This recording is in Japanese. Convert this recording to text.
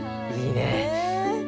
いいねぇ。